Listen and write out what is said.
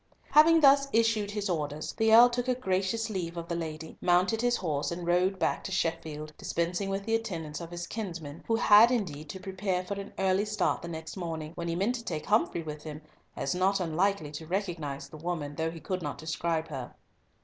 Having thus issued his orders, the Earl took a gracious leave of the lady, mounted his horse, and rode back to Sheffield, dispensing with the attendance of his kinsman, who had indeed to prepare for an early start the next morning, when he meant to take Humfrey with him, as not unlikely to recognise the woman, though he could not describe her.